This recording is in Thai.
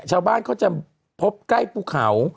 ชาวบ้านเขาจะพบใกล้ภูเขา